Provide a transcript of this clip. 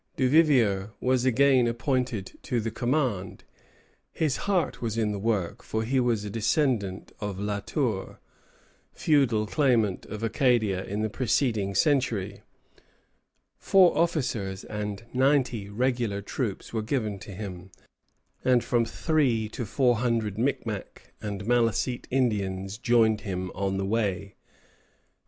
Duvivier was again appointed to the command. His heart was in the work, for he was a descendant of La Tour, feudal claimant of Acadia in the preceding century. Four officers and ninety regular troops were given him, [Footnote: Lettre d'un Habitant de Louisbourg.] and from three to four hundred Micmac and Malecite Indians joined him on the way.